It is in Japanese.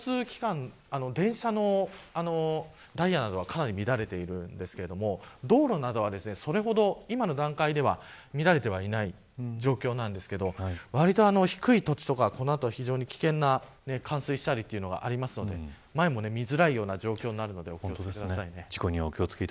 交通機関電車のダイヤなどはかなり乱れているんですけれど道路などはそれほど今の段階では乱れてはいない状況なんですけど割と低い土地とかこの後、非常に危険な冠水したりというのがありますので前も見づらいような状況になるので気を付けてください。